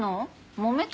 もめた？